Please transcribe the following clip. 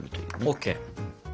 ＯＫ。